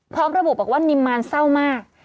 เพราะพระบุคว่านิมมารเศร้ามาก